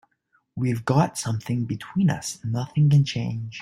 We've got something between us nothing can change.